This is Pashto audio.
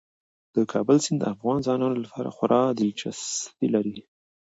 د کابل سیند د افغان ځوانانو لپاره خورا دلچسپي لري.